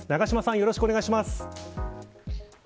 よろしくお願いします。